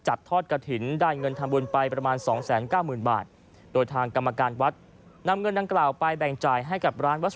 ก็จัดทอดกาถินได้เงินทำวนไปประมาณ๒๙๐๐๐๐บาทกระถิ่นที่ได้เงินทำวนไปประมาณ๒๙๐๐๐๐บาท